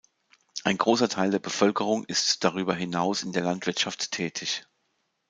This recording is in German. Ein großer Teil der Bevölkerung ist darüber hinaus in der Landwirtschaft tätig.